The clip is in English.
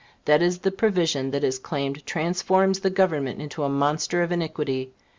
That is the provision that is claimed transforms the Government into a monster of iniquity.